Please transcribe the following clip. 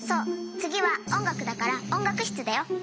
つぎはおんがくだからおんがくしつだよ。